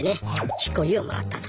執行猶予をもらったと。